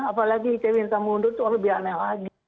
apalagi cewek yang sama undur itu lebih aneh lagi